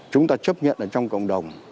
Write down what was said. chúng ta chấp nhận là trong cộng đồng